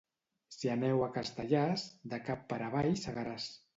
Si aneu a Castellars, de cap per avall segaràs.